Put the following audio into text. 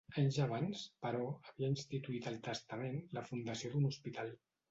Anys abans, però, havia instituït al testament la fundació d'un hospital.